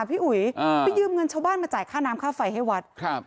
พี่อุ๋ยอ่าไปยืมเงินชาวบ้านมาจ่ายค่าน้ำค่าไฟให้วัดครับ